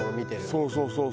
そうそうそうそう。